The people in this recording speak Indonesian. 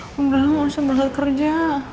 aku udah langsung berangkat kerja